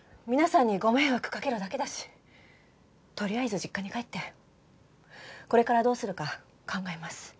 皆さんにご迷惑かけるだけだしとりあえず実家に帰ってこれからどうするか考えます。